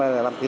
năm thứ tám